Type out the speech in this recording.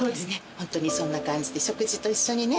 ホントにそんな感じで食事と一緒にね